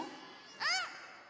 うん！